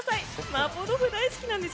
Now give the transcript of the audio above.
麻婆豆腐大好きなんです。